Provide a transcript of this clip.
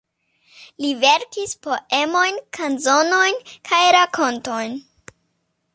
Li verkis poemojn, kanzonojn kaj rakontojn.